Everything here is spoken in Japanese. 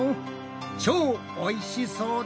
超おいしそうだ。